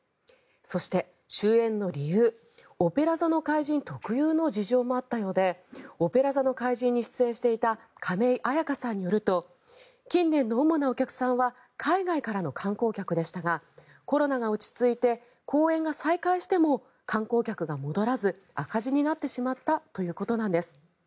そして、終演の理由「オペラ座の怪人」特有の事情もあったようで「オペラ座の怪人」に出演していた亀井彩花さんによると近年の主なお客さんは海外からの観光客でしたがコロナが落ち着いて公演が再開しても観光客が戻らず赤字になってしまったということなんです。